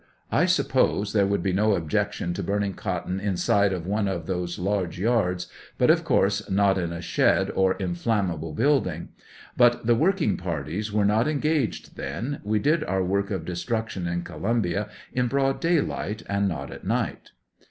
I suppose there would be no objection to burning cotton inside of one of those large yards, but of course not in a shed or inflammable building. But the work 116 ing parties were not engaged then ; we did our work of destruction in Columbia in broad daylight, and not at night.